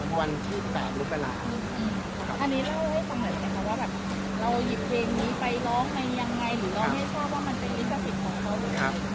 อันนี้เล่าให้ต่อใหม่กันครับว่าแบบเราหยิบเพลงนี้ไปร้องมันยังไงหรือร้องให้ชอบว่ามันจะอิสระภิกษ์ของเราหรือไงครับ